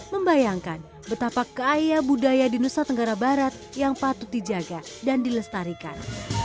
membayangkan betapa kaya budaya di nusa tenggara barat yang patut dijaga dan dilestarikan